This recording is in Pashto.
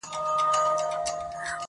زما او ستا تر منځ صرف فرق دادى.